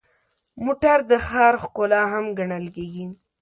موټر د ښار ښکلا هم ګڼل کېږي.